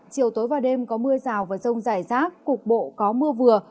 chiều tối và đêm có mưa rào và rông rải rác cục bộ có mưa vừa